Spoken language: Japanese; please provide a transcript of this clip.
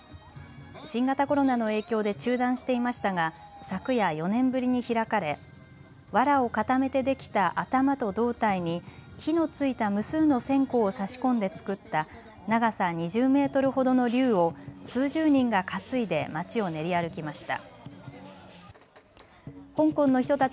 新型コロナの影響で中断していましたが昨夜４年ぶりに開かれわらを固めてできた頭と胴体に火のついた無数の線香を差し込んで作った長さ２０メートルほどの竜を数十人が担いで街を練り歩きました。